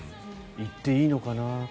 行っていいのかな？